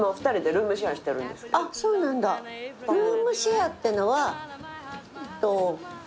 ルームシェアってのは。